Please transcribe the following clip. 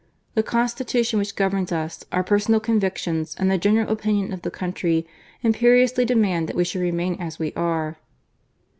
The Constitution which governs us, our personal convictions and the general opinion of the country, imperiously demand that we should remain as we are."